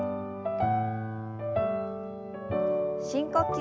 深呼吸。